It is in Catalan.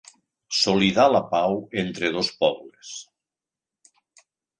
Solidar la pau entre dos pobles.